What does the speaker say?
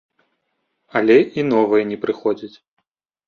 Але і новыя не прыходзяць.